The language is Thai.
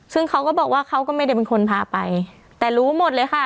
ซึ่งเขาก็บอกว่าเขาก็ไม่ได้เป็นคนพาไปแต่รู้หมดเลยค่ะ